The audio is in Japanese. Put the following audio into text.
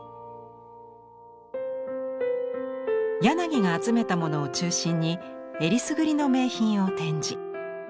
柳が集めたものを中心にえりすぐりの名品を展示。